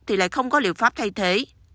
thì lại không có liệu pháp thay thế